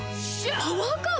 パワーカーブ⁉